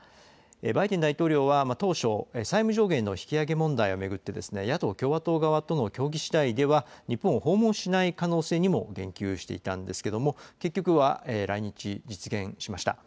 バイデン大統領は当初、債務上限の引き上げ問題を巡って、野党・共和党側との協議しだいでは日本を訪問しない可能性にも言及していたんですけれども、結局は来日実現しました。